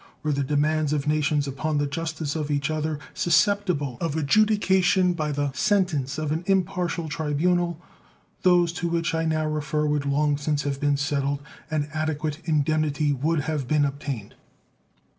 Were the demands of nations upon the justice of each other susceptible of adjudication by the sentence of an impartial tribunal, those to which I now refer would long since have been settled and adequate indemnity would have been obtained.